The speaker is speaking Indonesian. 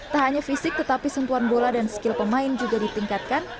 tak hanya fisik tetapi sentuhan bola dan skill pemain juga ditingkatkan